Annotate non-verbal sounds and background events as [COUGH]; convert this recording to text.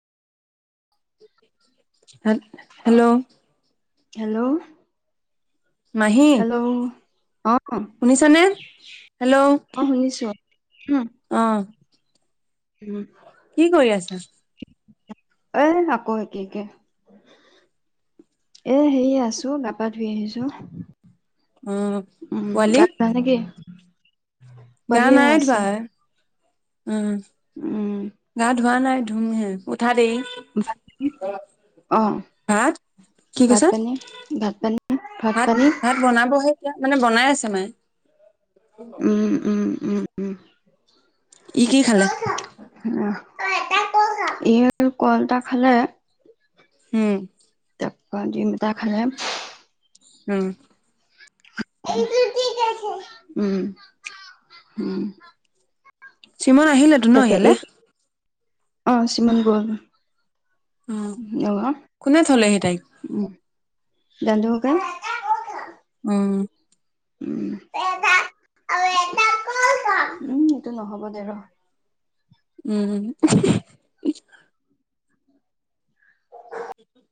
Hello hello Mahi hello আহ শুনিছানে? Hello অ শুনিছো উম অ উম কি কৰি আছা এ আকৌ একে একে এ সেয়ে আছো গপা ধুই আহিছো অ উম গ পোৱালি ভ নেকি উম গা নাই ধোৱা উম উম গা ধোৱা নাই ধুম হে উঠা দেই ভাত অ ভাত কি ভাত কৈছা? পানী ভাত পানী ভাত পানী ভাত বনাবহে এতিয়া মানে বনাই আছে মায়ে উম উম উম উম কি কি খালে এই কলটা খালে হম উম তিনিটা খালেে উম কি আ উম উম চ্ৰীমন আহিলেতো ন তাকে ইিহঁলে এই অ চিমন‌ গ'ল অ কোনে থলে সেইটাই গড হক উম উম এইটো নহব দে ৰ উম [UNINTELLIGIBLE]